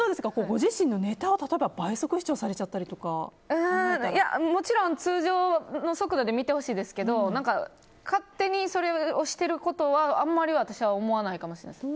ご自身のネタをもちろん通常の速度で見てほしいですけど勝手にそれをしてることはあまり私は思わないかもしれないです。